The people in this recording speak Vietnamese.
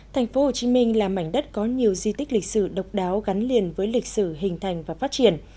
thành phố hồ chí minh là mảnh đất có nhiều di tích lịch sử độc đáo gắn liền với lịch sử hình thành và phát triển